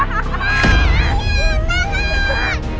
assalamualaikum warahmatullahi wabarakatuh